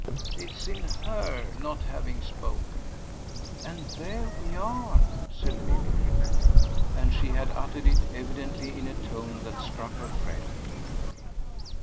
It's in HER not having spoken." "Ah there we are!" said Milly. And she had uttered it, evidently, in a tone that struck her friend.